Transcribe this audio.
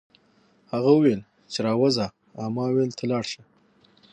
هغه وویل چې راوځه او ما وویل ته لاړ شه